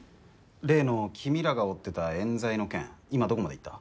例の君らが追ってたえん罪の件今どこまでいった？